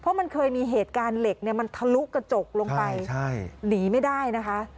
เพราะมันเคยมีเหตุการณ์เหล็กเนี่ยมันทะลุกระจกลงไปหนีไม่ได้นะคะ